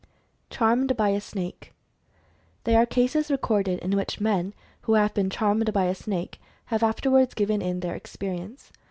CHARMED BY A SNAKE. There are cases recorded in which men who have been "charmed" by a snake, have afterwards given in their experience.